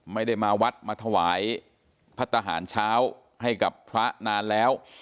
ไม่ได้มาวัดมาถวายพระทหารเช้าให้กับพระนานแล้ว